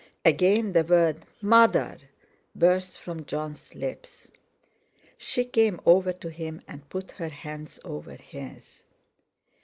Again the word "Mother!" burst from Jon's lips. She came over to him and put her hands over his.